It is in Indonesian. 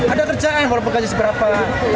ada kerjaan walaupun kerja seberapa